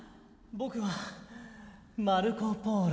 僕はマルコ・ポーロ。